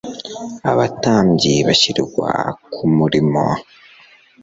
abatambyi bashyirwa ku mirimo